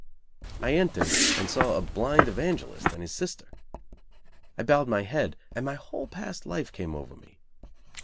I entered, and saw a blind evangelist and his sister. I bowed my head, and my whole past life came over me.